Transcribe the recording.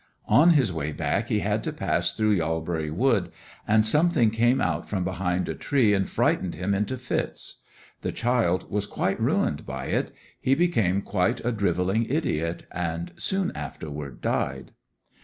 On his way back he had to pass through Yalbury Wood, and something came out from behind a tree and frightened him into fits. The child was quite ruined by it; he became quite a drivelling idiot, and soon afterward died.